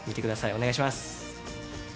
お願いします。